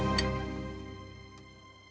sekalian saya perkenalkan mereka bodies juga harsh